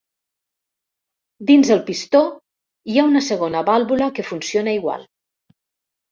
Dins el pistó, hi ha una segona vàlvula que funciona igual.